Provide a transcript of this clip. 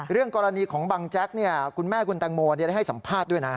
กรณีของบังแจ๊กคุณแม่คุณแตงโมได้ให้สัมภาษณ์ด้วยนะ